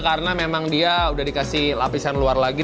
karena memang dia sudah dikasih lapisan luar lagi